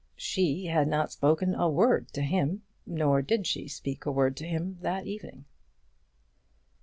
She had not spoken a word to him, nor did she speak a word to him that evening.